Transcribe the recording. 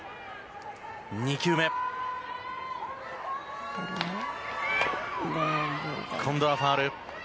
２球目、今度はファウル。